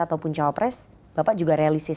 ataupun cawapres bapak juga realistis